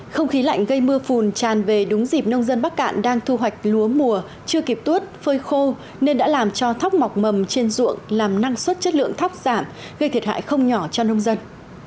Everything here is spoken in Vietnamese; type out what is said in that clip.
không khí lạnh gây mưa phùn tràn về đúng dịp nông dân bắc cạn đang thu hoạch lúa mùa chưa kịp tuốt phơi khô nên đã làm cho thóc mọc mầm trên ruộng làm năng suất chất lượng thóc giảm gây thiệt hại không nhỏ cho nông dân